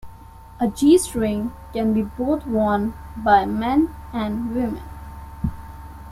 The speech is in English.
A G-string can be both worn by men and women.